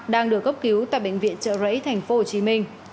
đang được cấp cứu tại bệnh viện trợ rẫy tp hcm